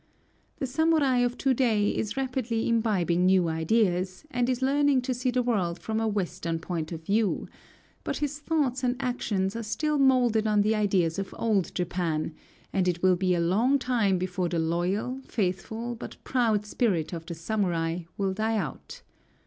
The samurai of to day is rapidly imbibing new ideas, and is learning to see the world from a Western point of view; but his thoughts and actions are still moulded on the ideas of old Japan, and it will be a long time before the loyal, faithful, but proud spirit of the samurai will die out.